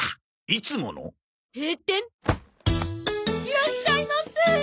いらっしゃいませ。